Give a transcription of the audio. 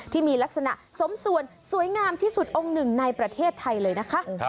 ที่มีลักษณะสมส่วนสวยงามที่สุดองค์หนึ่งในประเทศไทยเลยนะคะ